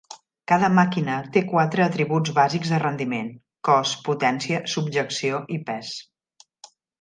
Cada màquina té quatre atributs bàsics de rendiment: cos, potència, subjecció i pes.